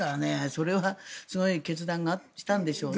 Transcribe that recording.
それはすごい決断をしたんでしょうね。